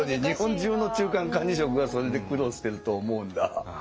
日本中の中間管理職がそれで苦労してると思うんだ。